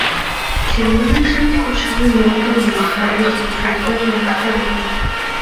Têrmomêtrım sıt şığui nolım yi lhabje têmpêrature khêğelhağue.